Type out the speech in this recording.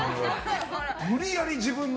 無理やり自分の。